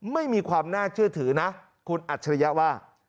ไม่มีความน่าเชื่อถือนะคุณอัจฉริยะว่า